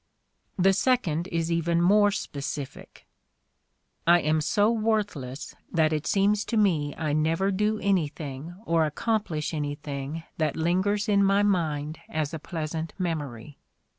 The second is even more specific: "I am so worthless that it seems to me I never do anything or accomplish anything that lingers in my mind as a pleasant memory.